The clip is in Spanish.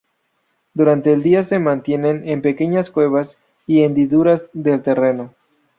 Durante el día se mantienen en pequeñas cuevas y hendiduras del terreno.